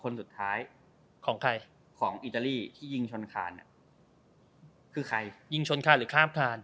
คนสุดท้ายของใครของอิตาลีที่ยิงชนคานคือใครยิงชนคานหรือข้ามคาน